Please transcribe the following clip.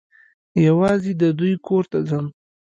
یوازي د دوی کور ته ځم .